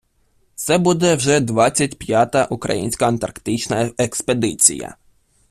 Це буде вже двадцять п'ята українська антарктична експедиція.